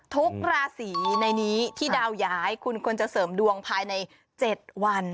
ทุกราศีในนี้ที่ดาวย้ายคุณควรจะเสริมดวงภายใน๗วัน